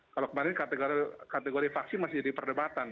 kalau kemarin kategori vaksin masih jadi perdebatan